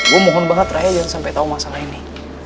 gue mohon banget raya jangan sampai tau masalah ini